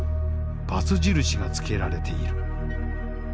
バツ印がつけられている。